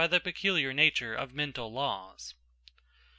the peculiar nature of mental laws.